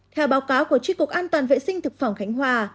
theo báo cáo của tri cục an toàn vệ sinh thực phẩm khánh hòa